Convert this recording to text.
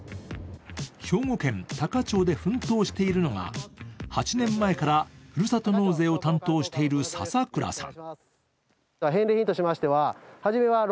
兵庫県多可町で奮闘しているのが、８年前から、ふるさと納税を担当している笹倉さん。